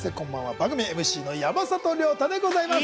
番組ＭＣの山里亮太でございます。